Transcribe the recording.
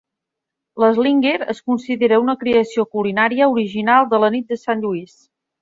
L'"slinger" es considera una creació culinària original de la nit de Sant Lluís.